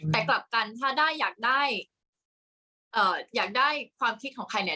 แต่กลับกันถ้าด้ายอยากได้ความคิดของใคร